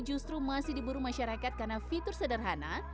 walaupun begitu ponsel mini justru masih diburu masyarakat karena fitur sederhana